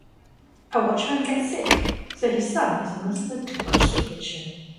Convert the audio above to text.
A watchman gets sick, so his son is enlisted to watch the kitchen.